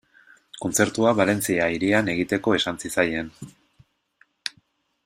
Kontzertua Valentzia hirian egiteko esan zitzaien.